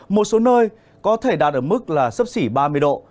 một số nơi có thể đạt ở mức là sấp xỉ ba mươi độ